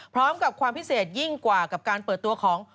พร้อมกับความพิเศษยิ่งกว่ากับการเปิดตัวของ